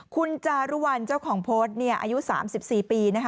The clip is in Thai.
คุณจารุวัลเจ้าของโพสต์อายุ๓๔ปี